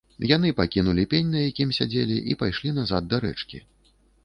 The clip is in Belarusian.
Яны пакінулі пень, на якім сядзелі, і пайшлі назад да рэчкі.